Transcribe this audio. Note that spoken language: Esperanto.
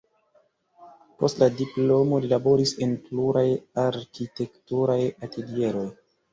Post la diplomo li laboris en pluraj arkitekturaj atelieroj.